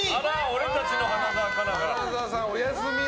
俺たちの花澤香菜が。